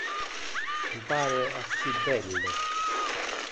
Tu pare assi belle.